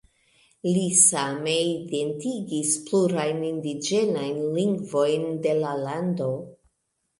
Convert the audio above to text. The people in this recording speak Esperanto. Li same identigis plurajn indiĝenajn lingvojn de la lando.